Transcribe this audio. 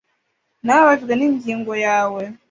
Nababajwe n'ingingo yawe.